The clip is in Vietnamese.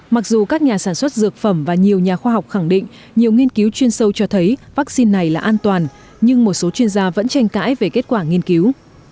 mặc dù các nhà sản xuất dược phẩm và nhiều nhà khoa học khẳng định nhiều nghiên cứu chuyên sâu cho thấy vaccine này là an toàn nhưng một số chuyên gia vẫn tranh cãi về kết quả nghiên cứu